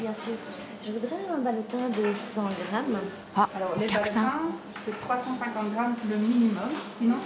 あっお客さん。